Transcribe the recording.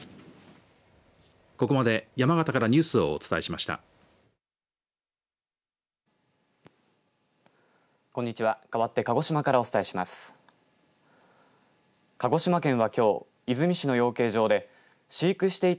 ここまで山形からニュースをお伝えしました。